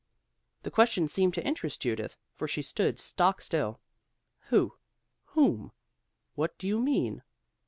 The question seemed to interest Judith, for she stood stock still. "Who? whom? what do you mean?"